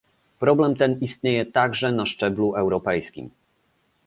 Problem ten istnieje także na szczeblu europejskim